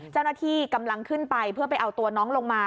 เจ้าหน้าที่กำลังขึ้นไปเพื่อไปเอาตัวน้องลงมา